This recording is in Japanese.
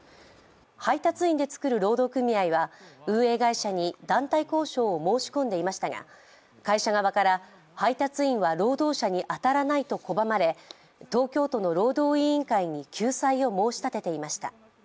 配達員で作る労働組合は運営会社に団体交渉を申し込んでいましたが会社側から配達員は労働者に当たらないと拒まれ東京都の労働委員会に救済を申し立てていました。